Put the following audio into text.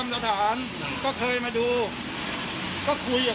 มันมีโยธาเขตมามาดูนอกรอบนะอันนี้คือ